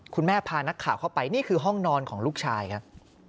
พานักข่าวเข้าไปนี่คือห้องนอนของลูกชายครับ